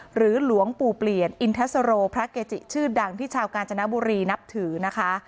หลวงปู่เปลี่ยนอินทสโรพระเกจิชื่อดังที่ชาวกาญจนบุรีนับถือนะคะ